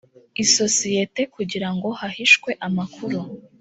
isosiyete kugira ngo hahishwe amakuru